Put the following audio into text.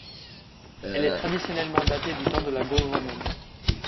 Elle est traditionnellement datée du temps de la Gaule romaine.